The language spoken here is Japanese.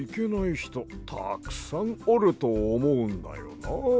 ひとたくさんおるとおもうんだよな。